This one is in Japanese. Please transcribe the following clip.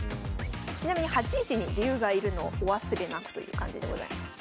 ちなみに８一に竜が居るのをお忘れなくという感じでございます。